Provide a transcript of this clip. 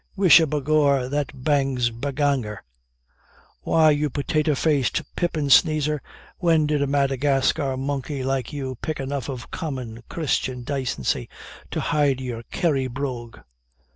Wisha, by gor, that bangs Banagher. Why, you potato faced pippin sneezer, when did a Madagascar monkey like you pick enough of common Christian dacency to hide your Kerry brogue?"